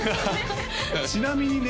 ちなみにね